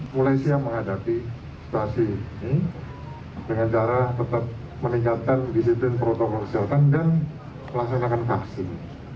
mulai siap menghadapi situasi ini dengan cara tetap meningkatkan disiplin protokol kesehatan dan melaksanakan vaksin